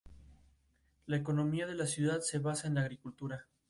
La economía de la ciudad se basa en la agricultura.